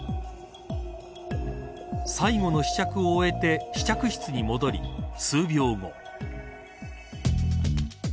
最後の試着を終えて試着室に戻り、数秒後。